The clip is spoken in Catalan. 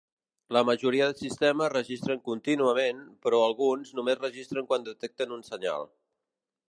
La majoria de sistemes registren contínuament, però alguns només registren quan detecten un senyal.